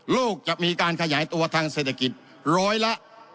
จะมีการขยายตัวทางเศรษฐกิจร้อยละ